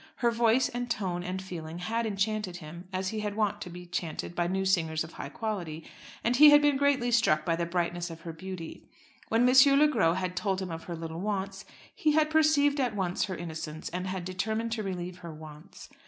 Her voice and tone and feeling had enchanted him as he had wont to be enchanted by new singers of high quality, and he had been greatly struck by the brightness of her beauty. When M. Le Gros had told him of her little wants, he had perceived at once her innocence, and had determined to relieve her wants.